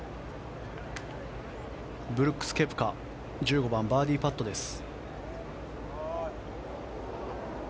ブルックス・ケプカ１５番、バーディーパットです。